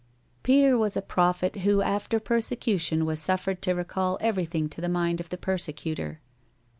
Peter was a prophet who after persecution was suffered to recall everything to the mind of the persecutor.